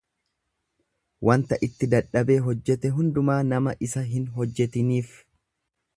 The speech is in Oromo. wanta itti dadhabee hojjete hundumaa nama isa hin hojjetiniif